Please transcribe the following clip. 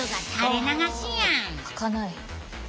はかない。